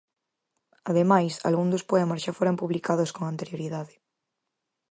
Ademais, algúns dos poemas xa foran publicados con anterioridade.